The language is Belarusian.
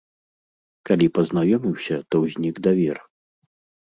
Калі пазнаёміўся, то ўзнік давер.